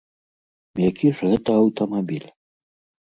Які ж гэта аўтамабіль?